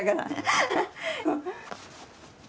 ハハハッ。